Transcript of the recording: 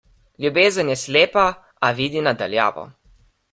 Ljubezen je slepa, a vidi na daljavo.